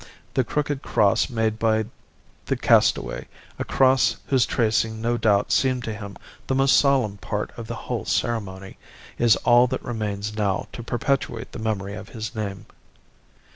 The crooked cross made by the castaway, a cross whose tracing no doubt seemed to him the most solemn part of the whole ceremony, is all that remains now to perpetuate the memory of his name.